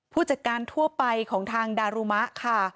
ผู้จัดการทั่วไปของทางดารุมะค่ะ